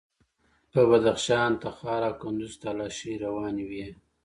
په بدخشان، تخار او کندوز کې تالاشۍ روانې وې.